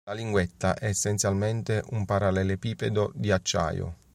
La linguetta è essenzialmente un parallelepipedo di acciaio.